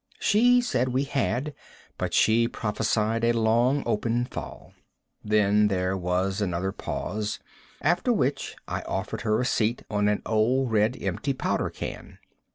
She said we had, but she prophesied a long, open fall. Then there was another pause, after which I offered her a seat on an old red empty powder can.